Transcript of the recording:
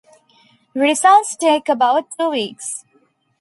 Results take about two weeks.